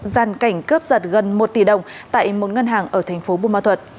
gian cảnh cướp giật gần một tỷ đồng tại một ngân hàng ở thành phố bù ma thuật